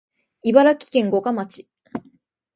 茨城県五霞町